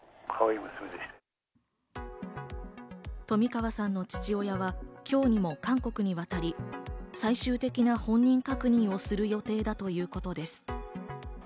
冨川さんの父親は、今日にも韓国に渡り、最終的な本人確認をする予定だということです。